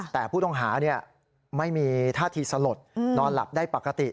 แต่ผู้ต้องหาไม่มีท่าทีสลดนอนหลับได้ปกติ